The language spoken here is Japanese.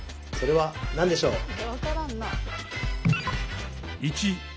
それは何でしょう？